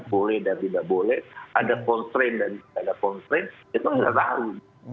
boleh dan tidak boleh ada constraint dan tidak ada constraint itu nggak tahu